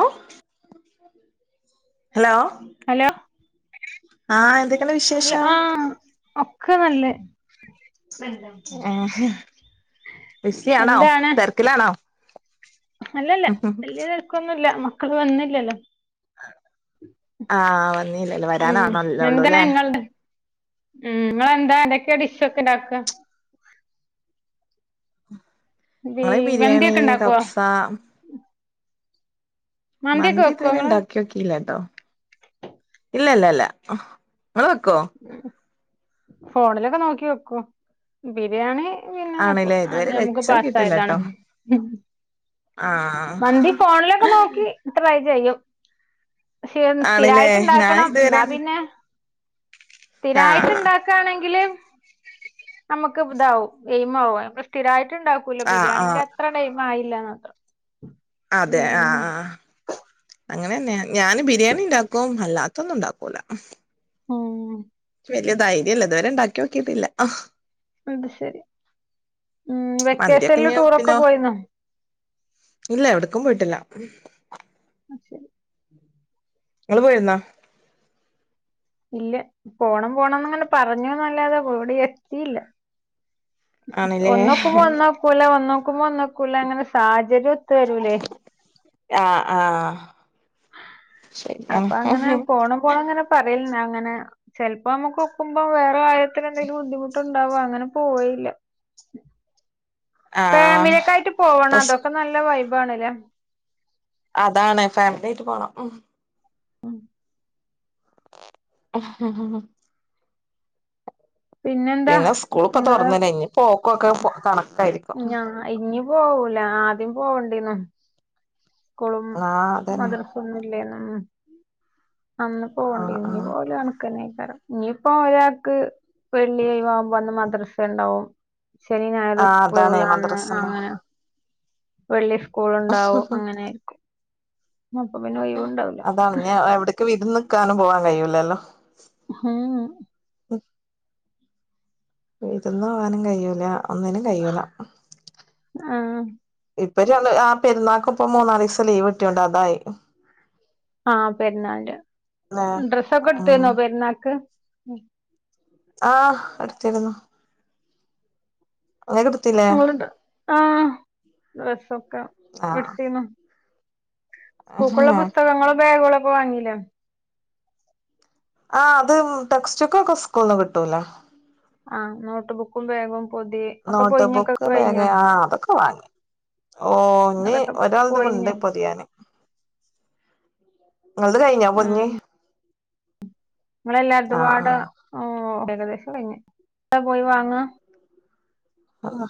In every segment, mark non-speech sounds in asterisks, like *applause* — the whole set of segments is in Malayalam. ഓ ഹലോ ഹലോ ആഹ് എന്തൊക്കെണ്ട് അല്ല വിശേഷം ആഹ് ഒക്കെ നല്ലഹ് ബിസി ആണോ എന്താണ് തെരക്കിലാണോ? അല്ലല്ല വല്യ തെരക്കൊന്നുല്ല മക്കള് വന്നില്ലല്ലോ ആഹ് വന്നില്ലല്ലോ ഉം വരാനാണേല്ലേ ഒള്ളൂ എന്താണ് ല്ലേ ഇങ്ങൾടെ ഉം ഇങ്ങളെന്താ എടക്ക് ടിഷൊക്കെ ണ്ടാക്ക ബീ നമ്മള് ബിരിയാണി, മന്തിയൊക്കെ ഇണ്ടാക്കോ കഫ്സ മന്തിയൊക്കെ മന്തി വെക്കോ ഇതുവരെ ഇങ്ങള് ഇണ്ടാക്കി നോക്കിട്ടില്ലട്ടോ ഇല്ലല്ല ല്ല അമ്മള് വെക്കും ഫോണിലൊക്കെ നോക്കി വെക്കും ബിരിയാണി ആണല്ലേ *unintelligible* അത് ഇതുവരെ നമുക്ക് പാസയതാണ് വെച്ചോക്കിട്ടില്ലട്ടോ ആഹ് നോക്കി ട്രൈ ചെയ്യും ക്ഷേ ആണല്ലേ സ്ഥിരായിട്ട് ഞാൻ ഇണ്ടാക്കണം ഇതുവരെ എന്നാ പിന്നെ ആഹ് സ്ഥിരായിട്ട്ണ്ടാ ക്കാണെങ്കില് നമ്മക്ക് ഇതാവും എയ്മാവും അമ്മള് സ്ഥിരായിട്ട്ണ്ടാ കുല ആഹ് ബിരിയാണിന്റെ ആഹ് അത്ര എയ്മായില്ലന്ന് ന്നാത്രം അതെ ആഹ് ആഹ് അങ്ങനെന്നെ ഞാന് ബിരിയാണി ഇണ്ടാക്കും അല്ലാത്തൊന്നും ഇണ്ടാക്കൂല ഏഹ് വെല്ല്യേ ധൈര്യല്ല ഇത് വരെ ഇണ്ടാക്കി നോക്കിട്ടില്ല അത് ശരി മ്മ് മന്തിയൊക്കെ വെക്കേഷല്ല് ഇഞ് പിന്നെ ടൂറൊക്കെ പോയിന്നോ? ഇല്ല എവിടക്കും പോയിട്ടില്ല അതു ശെരി ങ്ങള് പോയിരുന്നാ ഇല്ല പോണം പോണോനിങ്ങനെ പറഞ്ഞുന്നല്ലാതെ എവിടെയും എത്തീല ആണല്ലേ ഒന്നോക്കുമ്പോ ഒന്നോക്കൂല ഒന്നോക്കുമ്പോ ഒന്നോക്കൂല ങ്ങനെ സാഹചര്യം ഒത്തുവരൂലേ ആഹ് ആഹ് ശരിയാണ് അപ്പൊ ങ്ങനെ പോണ പോണങ്ങനെ പറയിനങ്ങനെചെല പ്പോ നമ്മക്ക് ഒക്കുമ്പോം വേറെ കാര്യത്തിന്തെലും ബുദ്ധിമുട്ട് ണ്ടാവും ങ്ങനെ പോയില്ല ആഹ് ഫാമിലിയൊക്കായിട്ട് പോവണം പ്പസ് അതൊക്കെ നല്ല വൈബണല്ലേ അതാണ് ഫാമിലിയായിട്ട് പോണം *inaudible* പിന്നെന്താ പിന്നെ സ്കൂൾ ഇപ്പ നിങ്ങള്. തുറന്നില്ലേ ഇനി പോക്കൊക്കെ കണക്കായിരിക്കും ഞാൻ അ ഇഞ്ഞി പോവൂല ആദ്യം പോവണ്ടിനു. സ്ക്കൂളും ആഹ് അതന്നെ മദർസൊന്നുംല്ലേ നും. അന്ന് പോകണ്ടിനു ആഹ് ഇനി ആഹ് പോകല്. കണക്കന്നേക്കാരം ഇനിയിപ്പോ ഒരാൾക്ക് വെള്ളിഒഴിവ് ആകുമ്പോ അന്ന് മദ്രസ ഉണ്ടാവും. ശ നി ഞായറും ആഹ് അതാണ് സ്കൂളുള്ള അന്ന് മദ്രസണ്ടാവും അങ്ങനെ. വെള്ളി സ്കൂൾ ഉണ്ടാവും അങ്ങനെയിരിക്കും അപ്പൊ പിന്നെ. ഒഴിവുണ്ടാവൂല അതാണ് ഞാൻ എവിടക്ക് വിരു നിക്കാനും പോവാൻ കഴിയൂല്ലല്ലോ. ഉം ഉം. വിരുന്ന് പോകാനും കഴൂല ഒന്നിനും കഴൂല. ആഹ് ഇപ്പൊ ആ പെുന്നാൾക് ഇപ്പൊ മൂന്നാല് ദിവസം ലീവ് കിട്ടുണ്ട് അതായി. ആഹ് പെരുന്നാളിന്റെ ല്ലേ ഡ്രസ്സൊക്കെ ഉം എടുത്തുന്നോ പെരുന്നാൾക്ക്. ആഹ് എടുത്തിരുന്നു. എന്തേലും. ങ്ങണ്ട് ആഹ് ഡ്രസൊക്കെ ആഹ് എടുത്തീനു. സ്കൂൾക്കുള്ള പുസ്തകങ്ങളും ബാഗുകളക്കെ വാങ്ങീല്ലേ. ആ അത് ടെക്സ്റ്റ് ബുക്ക്കെ സ്കൂള്ന്ന് കിട്ടൂലേ. ആഹ് നോട്ട് ബുക്കും ബേഗും. നോട്ട് ബുക്ക് ബാഗ് ആ അതൊക്കെ വാങ്ങി. ഓ ഇഞ്ഞി അതൊക്കെ ഒരാളത് ഉണ്ട് പൊയിഞ്ഞ് പൊതിയാന്. അത് കഴിഞ്ഞു പൊതിഞ്ഞ്. ആഹ് നിങ്ങളെല്ലാരതുംപാട് ആഹ് ഏകദേശം കഴിഞ്ഞ് പോയി വാങ്ങ. ആഹ്.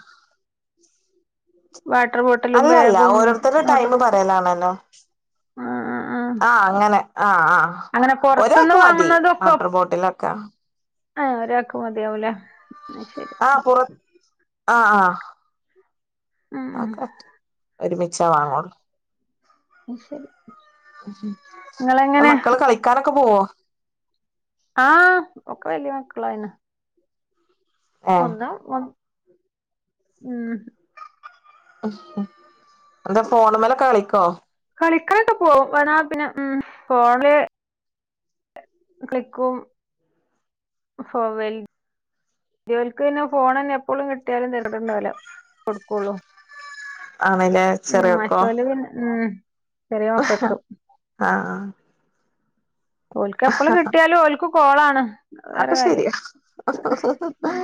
വാട്ടർ ബോട് അല്ലല്ല ഓരോരുത്തരുടെ ടൈമ് പറയലാണെല്ലോ. ആഹ് ആഹ് ആഹ് അങ്ങനെ ആഹ് ആഹ് അങ്ങനെ പൊറത്തുന്ന് ഒരാൾക്ക് മതി വാട്ടർ ബോട്ടിലൊക്കെ. ആഹ് ഒരാൾക്ക് മതിയാവൂലെ. ആ കൊറ ആഹ് ആഹ്. ഉം ഉം അതൊക്കെ ഒരുമിച്ചാ വാങ്ങോളൂ. അത് ശരി. നിങ്ങളെങ്ങനെ മക്കള് കളിക്കാനൊക്കെ പോവോ. ആഹ് ഒക്കെ വലിയ മക്കളായിന്. ഏഹ് ഒന് ഉം. ഉ ഉ എന്താ ഫോൺ മേലൊക്കെ കളിക്കോ. കളിക്കാനൊക്കെ പോവും വാ പിന്നെ ഉ പോണില്. കളിക്കും ഫോർവെൽ. വല്യോൽക്ക് പിന്നെ ഫോൺ തന്നെ എപ്പോഴും കിട്ടിയാലും ണ്ടാവൂല കൊടുക്കുള്ളൂ. ആണ്ല്ലേ ഉം ചെറിയോക്കോ മറ്റോല് പിന്നെ ഉം. ചെറിയ ആഹ് മക്കൾക്ക് ആ. ഓൽക്ക് എപ്പഴും കിട്ടിയാലും ഓൽക്ക് കോളാണ്. വേറെ ആക്ക കാര്യം ശേരിയ. ഉം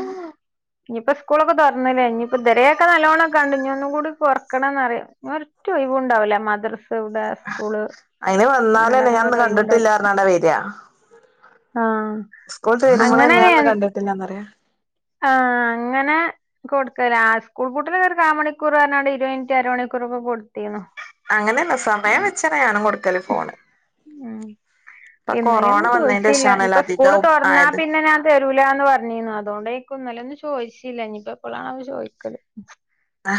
ഇനിയിപ്പോ സ്കൂളൊക്കെ തുറന്നില്ലേ ഇനിപ്പോ ഇതുവരയൊക്കെ നല്ലോണംക്ക കണ്ട് ഇനിയൊന്നും കൂടി കുറക്കണംന്ന്റിയാ. ഒറ്റ ഒഴിവും ഉണ്ടാവില്ല മദ്രസ് ഇവിടെ. സ്കൂള് അയിന് വന്നാലെ പറഞ്ഞാണ്ട് അങ്ങനെ ഞാൻ ഇന്ന് ഒരു ഒഴിവുണ്ടാവില്ല കണ്ടിട്ടില്ലാർഞ്ഞാടാ വരിയാ. ആഹ് സ്കൂള്ത്ത അങ്ങനെ എഴുതിമ്പോളല്ലേ ഞാനിന് കണ്ടിട്ടില്ലന്നറിയ. ആഹ് അങ്ങനെ കൊടുക്കല്ല ആ സ്കൂൾ പൂട്ടിന് ആ ഒരു കാമണിക്കൂർ പറഞ് ഒരു അര മണിക്കൂറൊക്ക കൊടുത്തിനു. അങ്ങനെയല്ല സമയം വെച്ചറിയാനും കൊടുക്കല് ഫോണ്. ഇപ്പൊ കൊറോണ ഇന്നലെയന്നും ചോദിച്ചില്ല വന്നേന്റെഷാണല്ലോ ഇപ്പൊ സ്കൂള് അധികം തുറന്നാ ആയത് പിന്നെ. തരൂല എന്ന് പറഞ്ഞിന്ന് അതുകൊണ്ടയിരിക്കും ഇന്നലന്നും ചോദിച്ചില്ല ഇനിയിപ്പ എപ്പോഴാണ്അവ ചോദിക്കല്. ആ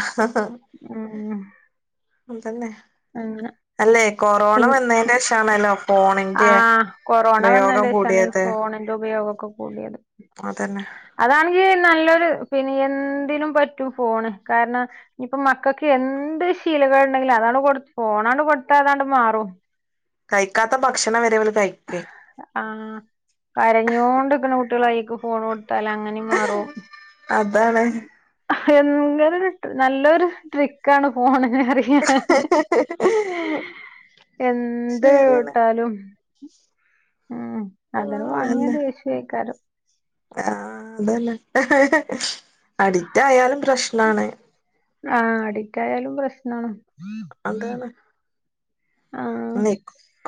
ഉം ഉതന്നെ അ അല്ലെ കൊറോണ വന്നതിനശമാണല്ലോ ആഹ കൊറോണ വന്നതിന്റെ ശേഷാണ് ഈ കൂടിയത് ഫോണിന്റെ ഉപയോഗൊക്കെ കൂടിയത് അതന്നെ അതാണെങ്കിൽ നല്ലൊരു പിന്നെ എന്തിനും പറ്റും ഫോണ് കാരണം ഇനിപ്പ മക്കൾക്ക് എന്ത് ശീലകൾ ഉണ്ടെങ്കിലും അതാണ് കൊടു ഫോണാണ്ട് കൊടുത്താ അതാണ്ട് മാറും കഴിക്കാത്ത ഭക്ഷണം വരെവ കഴിക്കേ ആഹ് കരഞ്ഞോണ്ടിരിക്കുന്ന കുട്ടികളായിക്ക് ഫോൺ കൊടുത്താല അങ്ങനെ അതാണ് ഭങ്കര നല്ലൊരു ട്രിക്ക ആാണ് ഫോണെ അറിയ ശരിയാണ് എന്ത്ട്ടാലും ഉം അത ഉം വാങ്ങിയ അതന്നെ ദേഷേക്കാറ് ആഹ് അതല്ലേ അഡിറ്റ ആയാലും പ്രശ്നാണ് ആ അഡിറ്റ് ആായാലും പ്രശ്നമാണ് അതാണ് ആഹ്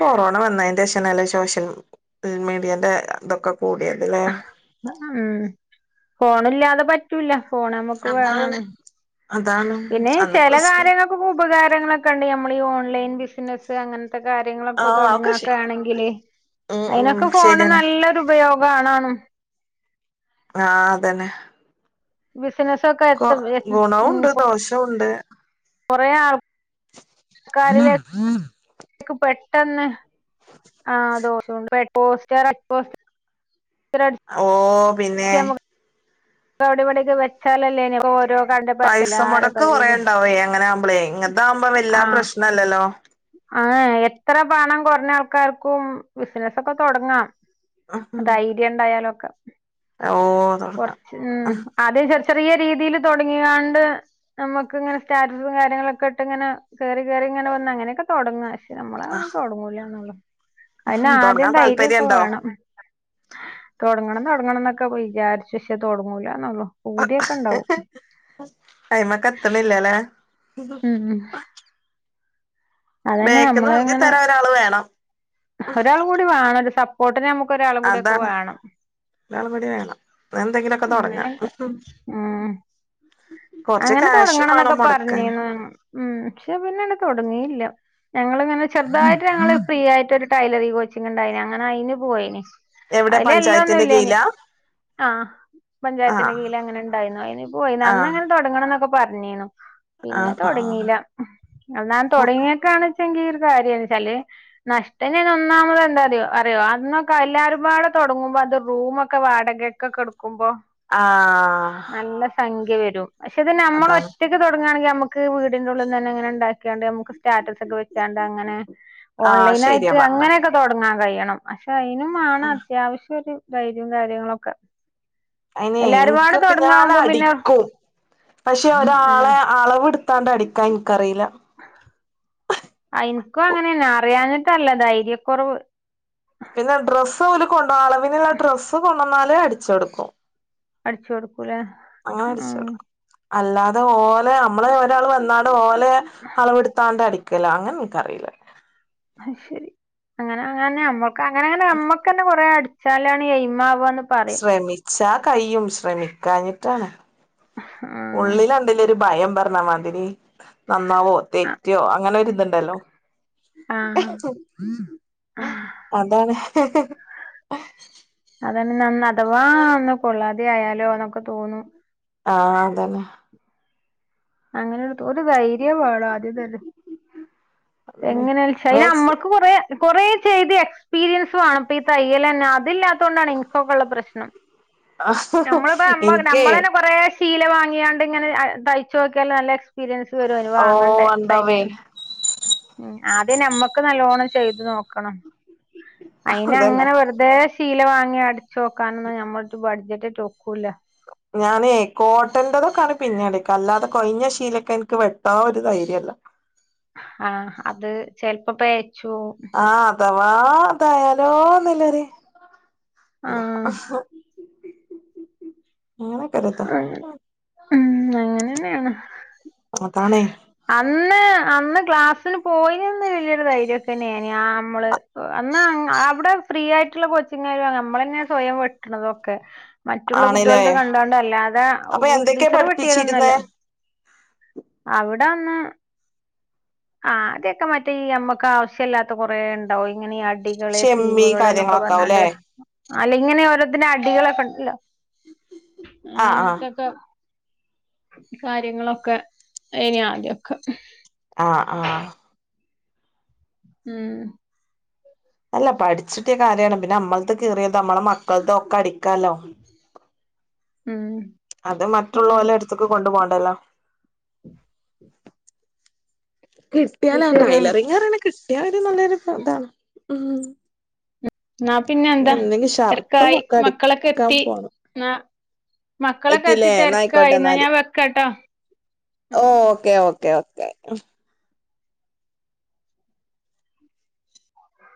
കൊറോണ വന്നതിന്റെ ശേഷനല്ല സോഷ്യൽ മീഡിയന്റെ ഇതൊക്കെ കൂടിയത് അലേ? ഉം ഫോണല്ലാതെ പറ്റൂല ഫോൺ നമ്മുക്ക് അതാണ് വേണാണ് അതാണ് പിന്നെ അന്നിപ്പോ ചില സ് കാര്യങ്ങൾക്ക ഉപകാരങ്ങളൊക്കെ ഉണ്ട് നമ്മൾ ഈ ഓൺലൈൻ ബിസിനസ്സ് അങ്ങനെ ആഹ് ഒക്കെ ശരി കാര്യാങ്ങളൊക്കെണെങ്കിൽ ഉം അയിന് ഉം ഒക്കെോ ന ശരിയാണ് ഉപയോഗംണും ആഹ് അതന്നെ ബിസിനസ്സക്കെ? ഗുണവുണ്ട് ദോഷവുണ്ട് കൊറേ ആൾ ആ ആഹ ക്ക് പെട്ടെന്ന് ആഹ് ദോ സൗണ്ട് പെ പോസ്റ്ററെക് പോസ് കരേൺ ഓഹ് പിന്നെ പവിടിവിട്യേക്കെ വെച്ചാലല്ലേനി ഓരോ കൺട പൈസ മൊടക്ക് കൊറേണ്ടാവയേ ങ്ങനെആവുമ്പളേ ഇങ്ങൻത്താവുമ്പോ വെല്ലാ പ്രശ്നല്ലല്ലോ ആഹ് എത്ര പണം കൊർഞ്ഞ ആൾക്കാർക്കും ബിസ്നസക്കെ തൊടങ്ങാം ദര്യണ്ടായാലൊക്കെ ഓ തൊടങ്ങാം കൊറച് ഉം അതെ ചെർ ചെറിയ രീതീല് തൊടങ്ങീ ങ്ങാണ്ട് നമ്മക്ക്ങ്ങനെ സ്റ്റാറ്റസും കാര്യങ്ങളൊക്കെ ഇട്ട്ങ്ങനെ കേറി കേറിങ്ങനെ വന്ന അങ്ങനെ ക്ക തൊടങ്ങാ ഷേ നമ്മളെ ആഹ് ഒന്നും തൊടങ്ങൂലാന്നൊള്ളു അയ്നാദ്യം തൊടങ്ങാൻ ധൈര്യക്കെ താല്പര്യണ്ടോ വേണം തൊടങ്ങണം തൊടങ്ങണം ന്നൊക്കെ വിജാര്ച്ച് ഷേ തൊടങ്ങൂലന്നൊള്ളൂ പൂതിയൊക്കെണ്ടാവും ഫസ് അയ്മത്ത്ണില്ലലേ ഉം ഉം അതന്നെ അമ്മള് ഇങ്ങനെ രാള് വേണം ഒരാളുങ്കൂടി വേണന്തസപ്പോട്ടിന് നമുക്ക് ഒരാളുങ്കൂട്യക്കെ വേണം നടപടി വേണം പ എന്തെങ്കിലുക്കെ തൊടങ്ങാ അങ്ങനെയൊക്കെ ഉം അങ്ങനെ കാശും വേണം തൊടങ്ങണംന്നൊക്കെ മൊടക്കാന് പറഞ്ഞീന്നു ഉം ക്ഷെ പിന്നെന്ത തൊടങ്ങിയില്ല ഞങ്ങള്ങ്ങനെ ചെർതായിട്ട് ഞങ്ങള് ഫ്രീ യായ്ട്ടൊരു ടൈലറി കോച്ചിങ്ണ്ടായിനി അങ്ങനെ അയിന് പോയിനി എവിടെ അയിലെല്ലോംന്നു പഞ്ചായത്തിന്റെ ല്ലേനി കീഴിലാ ആഹ് പഞ്ചായത്തിന്റെ ആഹ് കീഴില അങ്ങനെണ്ടായിന്നു അയ്നിപ്പോയിന്ന ആഹ് അന്നങ്ങനെ തൊടങ്ങണംന്നൊക്കെ പറഞ്ഞീന്നു പിന്നെ ആഹ് ആഹ് തൊടങ്ങീല അന്നാന്ന് തൊടങ്ങീ ക്കാണ് ചങ്കീർ കാര്യാര്ചാല് നഷ്ടന്നെ ന്നൊന്നാമത് ന്താറിയോ അറിയോ അന്നൊക്കെ എല്ലാരുംപാടെ തൊടങ്ങുമ്പോ അത് റൂമൊക്കെ വാടകേ കക്കെട്ക്കുമ്പോ ആഹ് നല്ല സഖ്യവരും പക്ഷെത് അതാണ് നമ്മള്ഒറ്റ ത്‌ തൊടങ്ങാണെങ്കി യമക്ക് വീടിന്റെ ഉള്ള്ന്നന്നെ ങ്ങനെണ്ടാക്യായാണ്ട് യമ്ക്ക് സ്റ്റാറ്റസൊക്കെ വെച്ചാണ്ട ങ്ങനെ ആഹ് ശരിയാ ഓൺലൈനായിട്ട് പറഞ്ഞെ അങ്ങനൊക്കെ തൊടങ്ങാകയ്യണം പക്ഷെയ്നുമാണം അത്യാവശ്യര് ധൈര്യം കാര്യങ്ങളൊക്കെ എല്ലാരുംപാടെ അയിനെൻക്കൊക്കെ തൊടങ്ങാവുമ്പോ പിന്നെ ഞാനടിക്കും പക്ഷെ ഉം ഒരാളെ അളവ്ട്ത്താണ്ട് അടിക്കാൻ ൻക്കറീല അയ്ൻക്കുങ്ങനെന്നെ അറിയാഞിട്ടല്ല ധൈര്യക്കുറവ് പിന്നെ ഡ്രസ്സ് ഓല് കൊണ്ടോ അളവിന്ള്ള ഡ്രസ്സ് കൊണ്ടന്നാല് അടിച്ചൊട്ക്കും അടിച്ചു കൊടുക്കൂലേ അങ്ങനെ ആഹ് അടിശ്ശൊട്ക്കു അല്ലാതെ ഓലെയമ്മളെ ഒരാള് വന്നാണ്ട് ഓലെ അളവ്ട്ത്താണ്ട് അടി ക്കലാ അങ്ങൻക്കറില അഹ് ശരി അങ്ങനെ അങ്ങൻന്നെ അമ്മൾക്കഅങ്ങനെ അങ്ങനെ അമ്മക്കന്നെ കൊറേ അടിച്ചാലാണ് യയ്മാവാന്ന് സ്രമിച്ചാ കയ്യും ശ്രമിക്കാഞ്ഞിട്ടാണ് ആഹ് ഉള്ളില ല്ലലൊരു ഭയം പർണാമാതിരി നന്നാവോ അ തെറ്റോ അങ്ങനെര്‌ ത്ണ്ടല്ലോ ആഹ് അതാണ് അതാണ് നന്നാവത്ത അഥവാ ഒന്ന് കൊള്ളാതെ ആയാലോ എന്നൊക്കെ തോന്നും ആഹ് അതന്നെ അങ്ങനെ തൊ ഒരു ധൈര്യം വേണം ആദ്യംതന്നെ അതന്നെ എങ്ങനെന്ന് വച്ചാല് അതിന്‌ നമ്മ മേത്സ് കുറേ കുറേ ചെയ്ത് എക്സ്പീരിയൻസ് വേണം ഇപ്പ ഈ തയ്യൽ തന്നെ അതില്ലാത്ത കൊണ്ടാണ് *unintelligible* ഉള്ള പ്രശ്നം നമ്മളിപ്പോ എനിക്ക് നമ്മളേന്നെ - കുറേ ശീല വാങ്ങിയാണ്ട് ഇങ്ങനെ തയ്ച്ചു നോക്കിയാല് നല്ല എക്സ്പീരിയൻസ് *unintelligible* ഓ വാങ്ങണ്ടേ ഉണ്ടാവേ തയ്ക്കണ് ഉം ആദ്യം നമ്മുക്ക് നല്ലോണ്ണം ചെയ്തു നോക്കണം അതിന് അതന്നെ അങ്ങനെ വെറുതെ ശീല വാങ്ങി അടിച്ച് നോക്കാനൊന്നും *unintelligible* ഞാനെ കോട്ടന്റെതൊക്കാണ് പിന്നെടുക്ക അല്ലാതെ കൊഴിഞ്ഞ ശീലൊക്കെ എനിക്ക് വെട്ടാൻ ഒരു ധൈര്യം ഇല്ല ആഹ് അത് ചിലപ്പോ *unintelligible* ആഹ് അഥവാ അതായാലോന്നുല്ലര് ആഹ് *unintelligible* *unintelligible* ഉം അങ്ങനെ തന്നെയാണ് അതാണെ അന്ന് അന്ന് ക്ലാസിന് *unintelligible* വലിയൊരു ധൈര്യം ഒക്കെ തന്നെയായിനി ആഹ് നമ്മള് അന്ന് അവിടെ ഫ്രീ ആയിട്ടുള്ള കോച്ചിങ്ങ് *unintelligible* നമ്മള് തന്നെ സ്വയം വെട്ടണതൊക്കെ മറ്റുള്ള ആണ്ല്ലേ കുട്ടികളുടെ കണ്ടാണ്ട് അല്ലാതെ അപ്പൊ എന്തൊക്കെയാ ടീച്ചറ് വെട്ടിയതൊന്നുല്ല പഠിപ്പിച്ചിരുന്നേ അവിടെ ഒന്ന് ആഹ് അതൊക്കെ മറ്റേ ഈ നമ്മക്ക് ആവശ്യ ഇല്ലാത്ത കുറേ ഉണ്ടാവും ഇങ്ങനെ ഈ അടികള് ഷെമ്മി സീമുകള് എന്നൊക്കെ പറഞ്ഞോണ്ട് കാര്യങ്ങളൊക്കാവുംല്ലേ അല്ല ഇങ്ങനെ ഓരോത്തിന്റെ അടികളക്കെ ഉണ്ടല്ലോ ആഹ് ആഹ് അങ്ങനെത്തൊക്കെ കാര്യങ്ങളൊക്കെ ഇനി ആദ്യക്കെ ആഹ് ആഹ് ഉം അല്ല പഠിച്ചിട്ട് കാര്യാണ് പിന്നെ നമ്മളത് കീറീതും നമ്മളെ മക്കളതൊക്കെ അടിക്കാലൊ ഉം അത് അതാണ് മറ്റുള്ളോരടുത്തേക്ക് കൊണ്ടുപോണ്ടല്ലോ അത് കിട്ടിയാലാ ശരിയാണ് ടൈലറിങ് *unintelligible* കിട്ടിയാല് നല്ലൊരു ഇതാണ് ഉം എന്നാ പിന്നെ എന്താ എന്തെങ്കി ഷർട്ടും തിരക്കായി ഒക്കെ മക്കളൊക്കെ അടിക്കാൻ എത്തി പോണം എന്നാ മക്കളൊക്കെ എത്തി എത്തില്ലേ എന്നായിക്കോട്ടെ തിരക്കായി എന്നാ എന്നാല് ഞാൻ വെക്കാട്ടോ ഉം ഓ ഉം ഓക്കേ ഓക്കേ ഓക്കേ